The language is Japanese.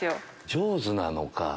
上手なのか？